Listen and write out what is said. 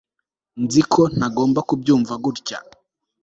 nzi ko ntagomba kubyumva gutya